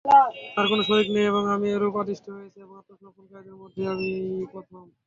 তাঁর কোন শরীক নেই এবং আমি এরূপই আদিষ্ট হয়েছি এবং আত্মসমর্পণকারীদের মধ্যে আমিই প্রথম।